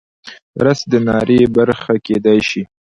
رس د ناري برخه کیدی شي